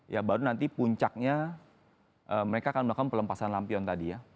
ya baru nanti puncaknya mereka akan melakukan pelempasan lampion tadi ya